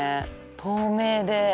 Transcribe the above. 透明で。